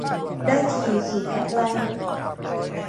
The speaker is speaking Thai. ได้ทีขี่แพะไล่